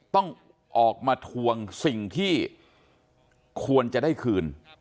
ต้องออกมาทวงสิ่งที่ควรจะได้คืน